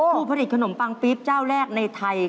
ผู้ผลิตขนมปังปี๊บเจ้าแรกในไทย